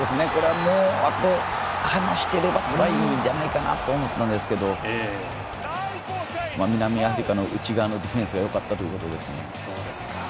もう、あと少し来てればトライじゃないかなと思ったんですが南アフリカの内側のディフェンスがよかったということですね。